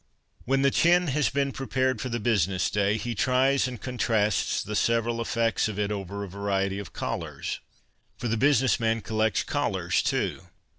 When the chin has been prepared for the business day he tries and contrasts the several effects of it over a variety of collars. For the business man collects collars, too.